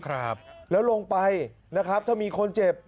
ครับแล้วลงไปนะครับถ้ามีคนเจ็บ